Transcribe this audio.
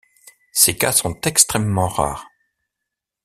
Ces cas sont extrêmement rares.